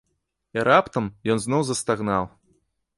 І раптам ён зноў застагнаў.